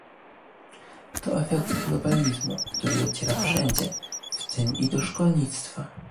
To efekt globalizmu, który dociera wszędzie, w tym i do szkolnictwa